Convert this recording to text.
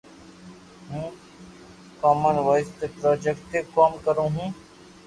ھون ڪومن وائس تو پروجيڪٽ تي ڪوم ڪرو ھون